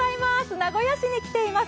名古屋市に来ています。